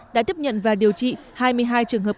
đã tiếp nhận và điều trị hai mươi hai trường hợp